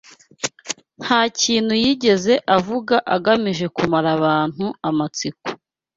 Nta kintu yigeze avuga agamije kumara abantu amatsiko